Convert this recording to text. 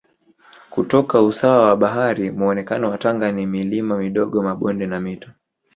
kutoka usawa wa bahari Muonekeno wa Tanga ni milima midogo mabonde na Mito